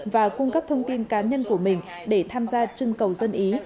và cung cấp thông tin cá nhân của mình để tham gia trưng cầu dân ý